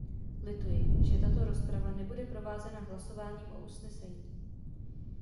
Lituji, že tato rozprava nebude provázena hlasováním o usnesení.